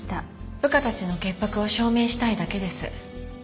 部下たちの潔白を証明したいだけです。